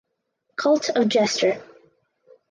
Cult of Jester